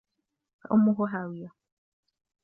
فَأُمُّهُ هاوِيَةٌ